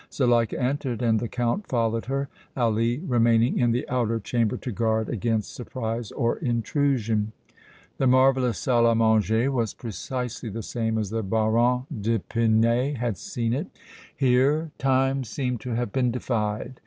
Zuleika entered and the Count followed her, Ali remaining in the outer chamber to guard against surprise or intrusion. The marvellous salle à manger was precisely the same as the Baron d' Epinay had seen it. Here time seemed to have been defied.